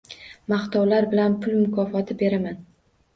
Maqtovlar bilan pul mukofoti beraman.